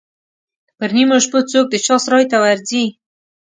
پر نیمو شپو څوک د چا سرای ته ورځي.